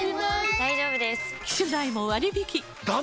大丈夫です！